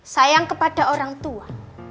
sayang kepada orang tua